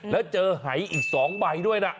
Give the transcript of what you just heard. แล้วเจอหายอีก๒ใบด้วยนะ